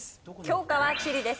教科は地理です。